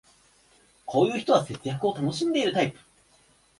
こういう人は節約を楽しんでるタイプ